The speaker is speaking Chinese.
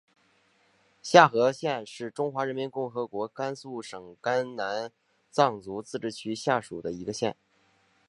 夏河县是中华人民共和国甘肃省甘南藏族自治州下属的一个县。